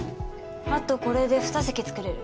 あとこれで２席作れる。